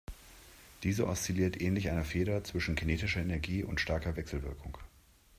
Diese oszilliert ähnlich einer Feder zwischen kinetischer Energie und starker Wechselwirkung.